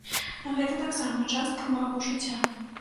Гэта таксама частка майго жыцця.